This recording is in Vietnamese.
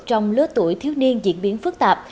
trong lứa tuổi thiếu niên diễn biến phức tạp